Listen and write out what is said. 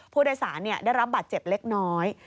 ผู้โดยสารได้รับบาดเจ็บเล็กน้อย